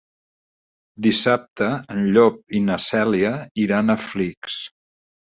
Dissabte en Llop i na Cèlia iran a Flix.